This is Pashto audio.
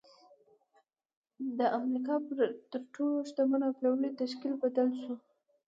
د امريکا پر تر ټولو شتمن او پياوړي تشکيل بدل شو.